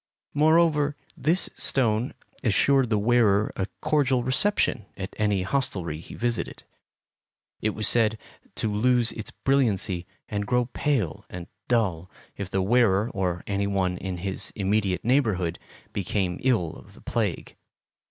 Moreover, this stone assured the wearer a cordial reception at any hostelry he visited. It was said to lose its brilliancy and grow pale and dull if the wearer or any one in his immediate neighborhood became ill of the plague.